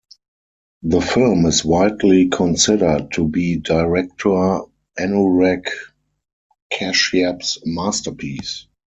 The film is widely considered to be director Anurag Kashyap's masterpiece.